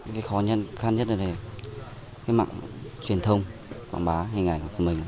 cái khó khăn nhất là mạng truyền thông quảng bá hình ảnh của mình